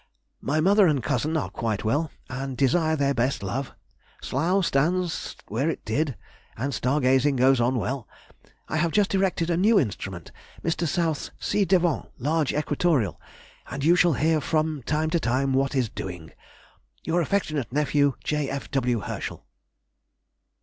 My mother and cousin are quite well, and desire their best love. Slough stands where it did, and star gazing goes on well. I have just erected a new instrument (Mr. South's ci devant large equatorial), and you shall hear from time to time what is doing.... Your affectionate Nephew, J. F. W. HERSCHEL.